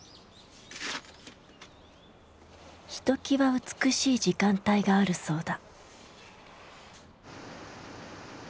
ひときわ美しい時間帯があるそうだ。